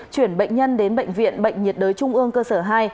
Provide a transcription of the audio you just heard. chuyển bệnh nhân đến bệnh viện bệnh nhiệt đới trung ương cơ sở hai